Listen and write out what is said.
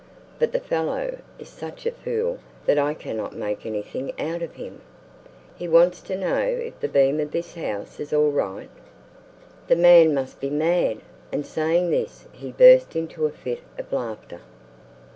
But the fellow is such a fool that I cannot make anything out of him. He wants to know if the beam of this house is all right. The man must be mad!" and saying this he burst into a fit of laughter.